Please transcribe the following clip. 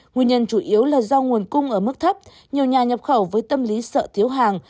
nguyên nhân chủ yếu là do nguồn cung ở mức thấp nhiều nhà nhập khẩu với tâm lý sợ thiếu hàng